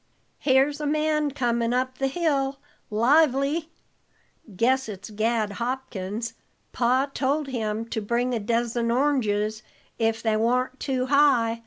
"Here's a man comin' up the hill, lively!" "Guess it's Gad Hopkins. Pa told him to bring a dezzen oranges, if they warn't too high!"